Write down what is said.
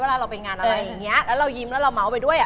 เราไปงานอะไรอย่างเงี้ยแล้วเรายิ้มแล้วเราเมาส์ไปด้วยอ่ะ